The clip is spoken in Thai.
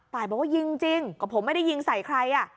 ตายบอกว่ายิงจริงก็ผมไม่ได้ยิงใส่ใคร